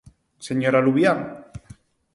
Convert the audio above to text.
¡Señora Luvián!